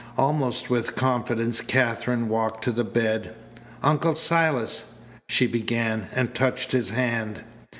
Almost with confidence Katherine walked to the bed. "Uncle Silas " she began, and touched his hand.